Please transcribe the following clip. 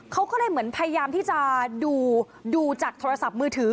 เขาก็เลยเหมือนพยายามที่จะดูจากโทรศัพท์มือถือ